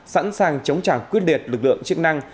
sẵn sàng chống trả quyết liệt lực lượng chức năng